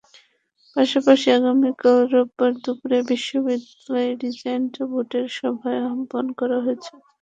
পাশাপাশি আগামীকাল রোববার দুপুরে বিশ্ববিদ্যালয় রিজেন্ট বোর্ডের সভা আহ্বান করা হয়েছে।